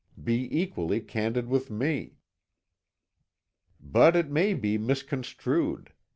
Be equally candid with me." "But it may be misconstrued.